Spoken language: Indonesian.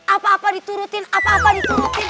apa apa diturutin apa apa diturutin